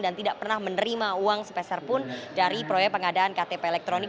dan tidak pernah menerima uang sepeserpun dari proyek pengadaan ktp elektronik